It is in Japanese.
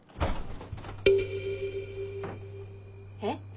えっ？